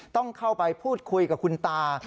ต้องเข้าไปพูดคุยกับคุณตา